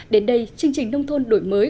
đến đây chương trình nông thuần đổi mới